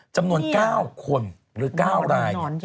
จำนวน๙คนหรือ๙ราย